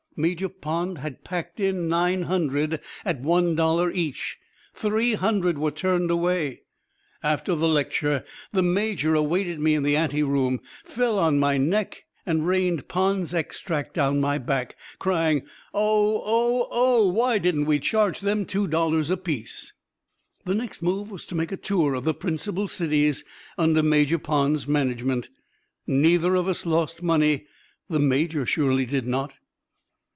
Major Pond had packed in nine hundred at one dollar each three hundred were turned away. After the lecture the Major awaited me in the anteroom, fell on my neck and rained Pond's Extract down my back, crying: "Oh! Oh! Oh! Why didn't we charge them two dollars apiece!" The next move was to make a tour of the principal cities under Major Pond's management. Neither of us lost money the Major surely did not.